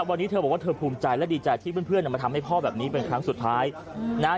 วันนี้เธอบอกว่าเธอภูมิใจและดีใจที่เพื่อนมาทำให้พ่อแบบนี้เป็นครั้งสุดท้ายนะฮะ